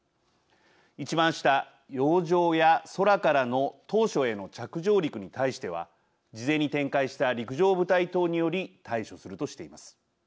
いちばん下洋上や空からの島しょへの着上陸に対しては事前に展開した陸上部隊等により対処するとしています。